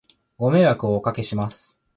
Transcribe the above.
ご迷惑をお掛けします